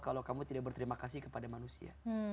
kalau kamu tidak berterima kasih kepada manusia